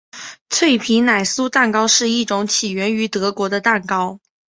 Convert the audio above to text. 脆皮奶酥蛋糕是一种起源于德国的蛋糕。